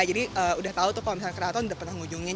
udah tau tuh kalau misalnya keraton udah pernah ngunjungin